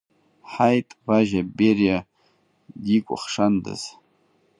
Ҳаит, Важьа Бериа дикәахшандаз!